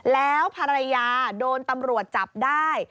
แล้วภรรยาโดนตำรวจจับได้